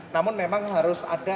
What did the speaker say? namun memang harus dikembalikan ke tubuh